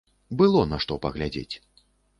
Было на што паглядзець.